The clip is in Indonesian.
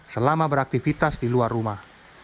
selama beraktivitas di luar rumah